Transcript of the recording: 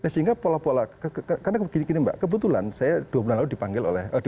sehingga pola pola karena begini mbak kebetulan saya dua bulan lalu diundang oleh salahutin tengkemen lucin